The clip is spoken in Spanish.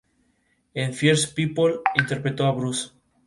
En "Fierce People", interpretó a Bruce.